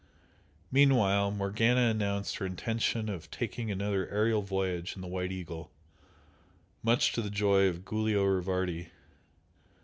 Meanwhile Morgana announced her intention of taking another aerial voyage in the "White Eagle" much to the joy of Giulio Rivardi.